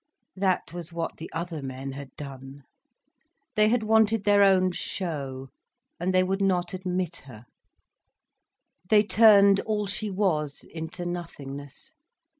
That was what the other men had done. They had wanted their own show, and they would not admit her, they turned all she was into nothingness.